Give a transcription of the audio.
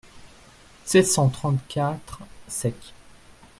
sept cent trente-quatre seq.).